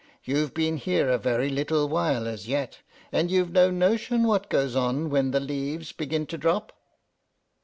You've been here a very little while as yet, and you've no notion what goes on when the leaves begin to drop."